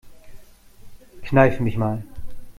Kneif mich mal.